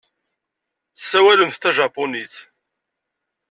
Tessawalemt tajapunit.